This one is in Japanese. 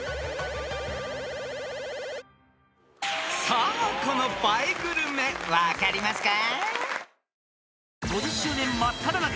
［さあこの映えグルメ分かりますか？］